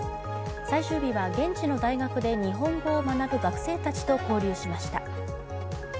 最終日は現地の大学で日本語を学ぶ学生たちと交流しました。